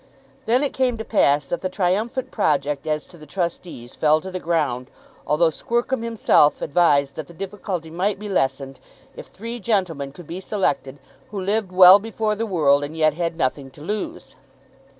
Then it came to pass that the triumphant project as to the trustees fell to the ground, although Squercum himself advised that the difficulty might be lessened if three gentlemen could be selected who lived well before the world and yet had nothing to lose.